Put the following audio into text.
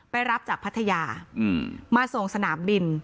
รับจากพัทยามาส่งสนามบิน